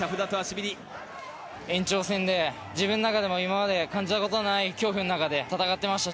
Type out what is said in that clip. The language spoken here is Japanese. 延長戦で自分の中でも今まで感じたことのない恐怖の中で戦ってました。